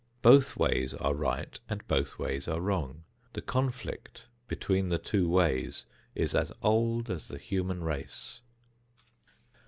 Both ways are right and both ways are wrong. The conflict between the two ways is as old as the human race.